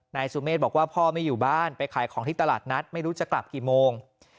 นายสุเมฆบอกว่าพ่อไม่อยู่บ้านไปขายของที่ตลาดนัดไม่รู้จะกลับกี่โมง